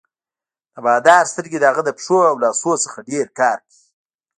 د بادار سترګې د هغه د پښو او لاسونو څخه ډېر کار کوي.